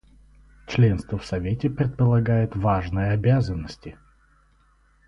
Членство в Совете предполагает важные обязанности.